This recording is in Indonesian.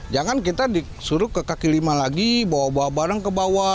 jangan kita disuruh ke kaki lima lagi bawa bawa barang ke bawah